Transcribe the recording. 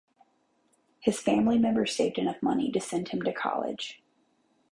His family members saved enough money to send him to college.